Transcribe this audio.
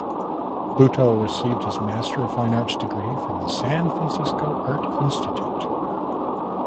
Bhutto received his Master of Fine Arts degree from the San Francisco Art Institute.